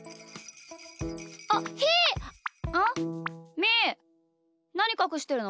みーなにかくしてるの？